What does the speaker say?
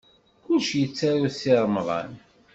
Kullec yettaru-t Si Remḍan.